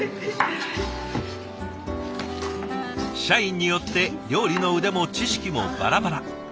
社員によって料理の腕も知識もバラバラ。